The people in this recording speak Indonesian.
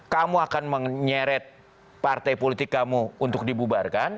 kamu akan menyeret partai politik kamu untuk dibubarkan